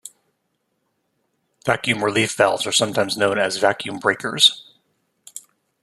Vacuum relief valves are sometimes known as vacuum breakers.